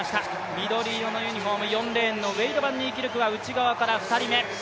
緑色のユニフォーム４レーンのウェイド・バンニーキルクは内側から２人目。